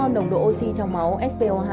nồng độ oxy trong máu spo hai